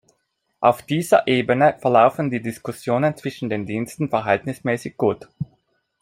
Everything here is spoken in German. Auf dieser Ebene verlaufen die Diskussionen zwischen den Diensten verhältnismäßig gut.